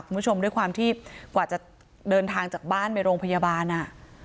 คุณผู้ชมด้วยความที่กว่าจะเดินทางจากบ้านไปโรงพยาบาลอ่ะ